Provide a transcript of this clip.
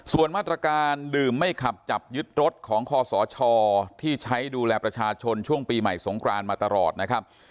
ส่วนมาตรการดื่มไม่ขับจับยึดรถของคอสชที่ใช้ดูแลประชาชนช่วงปีใหม่สงครานมาตลอดนะครับ